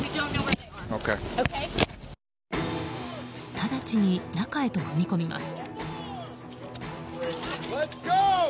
ただちに中へと踏み込みます。